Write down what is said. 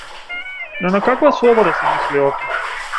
Но на каква слобода се мисли овде?